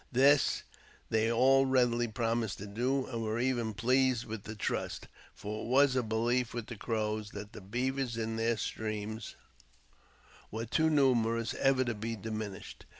This they all readily promised to do, and were even pleased with the trust ; for it was a belief with the Crows that the beavers in their streams were too numerous ever to be diminished.